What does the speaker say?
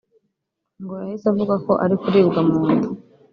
ngo yahise avuga ko ari kuribwa mu nda